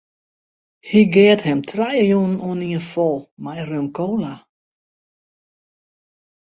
Hy geat him trije jûnen oanien fol mei rum-kola.